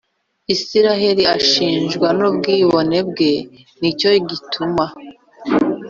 Isirayeli ashinjwa n ubwibone bwe ni cyo gituma